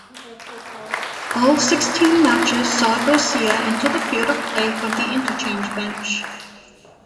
All sixteen matches saw Garcia enter the field of play from the interchange bench.